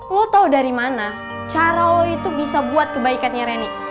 lo tahu dari mana cara lo itu bisa buat kebaikannya reni